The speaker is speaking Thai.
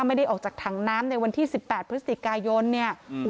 ไม่ได้ออกจากถังน้ำในวันที่สิบแปดพฤศจิกายนเนี่ย